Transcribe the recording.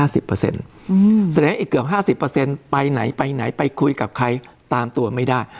แสดงอีกเกือบ๕๐ไปไหนไปไหนไปคุยกับใครตามตัวไม่ได้